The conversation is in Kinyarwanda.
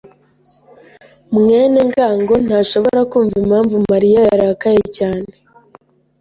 mwene ngango ntashobora kumva impamvu Mariya yarakaye cyane.